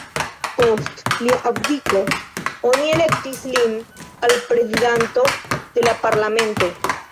Post lia abdiko, oni elektis lin al prezidanto de la parlamento.